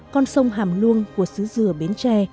con sông hàm luông của xứ dừa bến tre